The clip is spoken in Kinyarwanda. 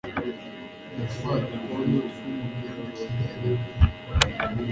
na twa twondo tw'umegende wanteraga